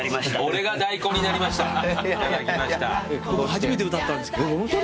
初めて歌ったんですけど。